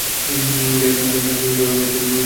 আপনি মেয়েটাকে হত্যা করতে পারেন না!